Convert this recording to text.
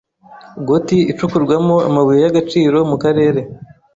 goti icukurwamo amabuye y’agaciro mu karer